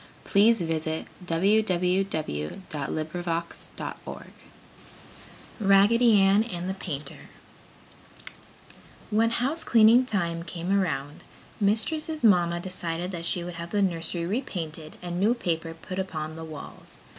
RAGGEDY ANN AND THE PAINTER When housecleaning time came around, Mistress' mamma decided that she would have the nursery repainted and new paper put upon the walls.